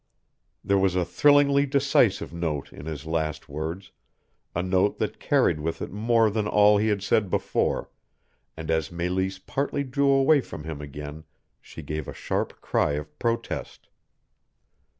There was a thrillingly decisive note in his last words, a note that carried with it more than all he had said before, and as Meleese partly drew away from him again she gave a sharp cry of protest.